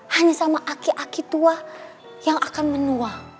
hanya sama aki aki tua yang akan menua